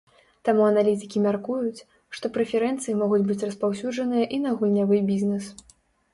Таму аналітыкі мяркуюць, што прэферэнцыі могуць быць распаўсюджаныя і на гульнявы бізнэс.